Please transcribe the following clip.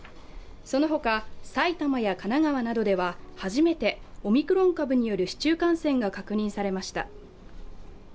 そのほか、埼玉や神奈川などでは初めてオミクロン株による市中感染が確認されました。